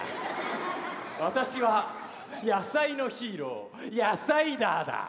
私は野菜のヒーローヤサイダーだ。